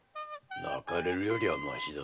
泣かれるよりはマシだ。